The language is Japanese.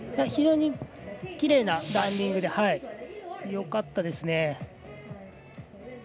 非常にきれいなランディングで、よかったですね。